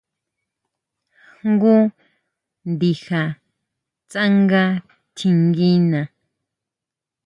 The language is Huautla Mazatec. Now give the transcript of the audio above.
Jngu ndija tsanga tjinguina.